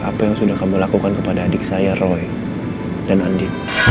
apa yang sudah kamu lakukan kepada adik saya roy dan andi